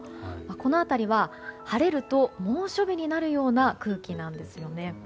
この辺りは晴れると猛暑日になるような空気なんですよね。